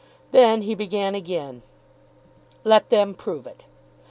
Then he began again. Let them prove it.